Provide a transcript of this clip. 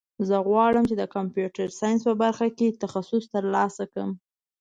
زه غواړم چې د کمپیوټر ساینس په برخه کې تخصص ترلاسه کړم